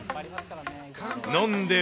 飲んでる